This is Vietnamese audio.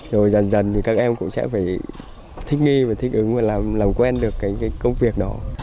rồi dần dần thì các em cũng sẽ phải thích nghi và thích ứng và làm quen được cái công việc đó